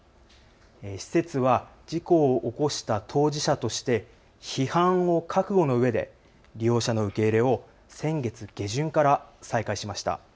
施設は事故を起こした当事者として批判を覚悟のうえで利用者の受け入れを先月下旬から再開しました。